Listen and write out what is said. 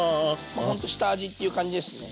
ほんと下味っていう感じですね。